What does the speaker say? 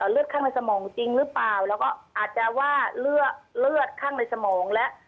เลือดข้างในสมองจริงหรือเปล่าแล้วก็อาจจะว่าเลือดข้างในสมองแล้ว